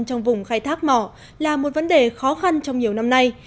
trong vùng khai thác mỏ là một vấn đề khó khăn trong nhiều năm nay